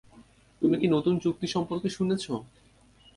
তুমি কি নতুন চুক্তি সম্পর্কে শুনেছ?